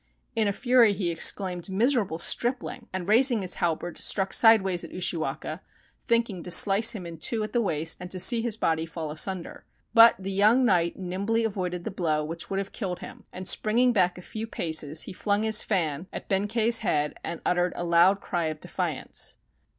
In a fury he exclaimed, "Miserable stripling!" and raising his halberd struck sideways at Ushiwaka, thinking to slice him in two at the waist and to see his body fall asunder. But the young knight nimbly avoided the blow which would have killed him, and springing back a few paces he flung his fan^ at Benkei's head and uttered a loud cry of defiance.